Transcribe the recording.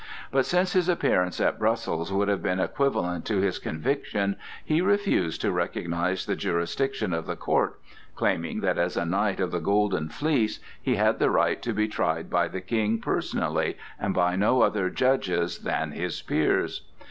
But since his appearance at Brussels would have been equivalent to his conviction, he refused to recognize the jurisdiction of the court, claiming that as a knight of the Golden Fleece he had the right to be tried by the King personally and by no other judges than his peers.